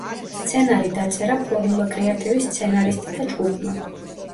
სცენარი დაწერა ფორმულა კრეატივის სცენარისტთა ჯგუფმა.